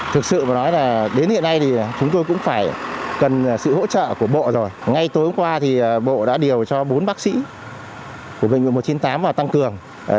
thực sự mà nói là đến hiện nay thì chúng tôi cũng phải cần sự hỗ trợ của bộ rồi ngay tối hôm qua thì bộ đã điều cho bốn bác sĩ của bệnh viện một trăm chín mươi tám vào tăng cường